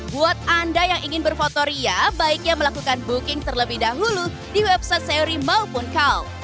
buat anda yang ingin berfotoria baiknya melakukan booking terlebih dahulu di website seori maupun kaum